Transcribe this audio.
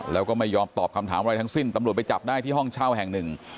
แล้วก็ไม่ยอมตอบคำถามอะไรทั้งสิ้นตำรวจไปจับได้ที่ห้องเช่าแห่งหนึ่ง